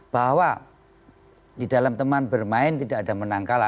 bahwa di dalam teman bermain tidak ada menang kalah